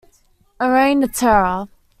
A Reign of Terror.